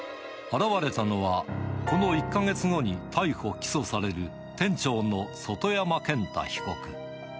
現れたのは、この１か月後に逮捕・起訴される店長の外山健太被告。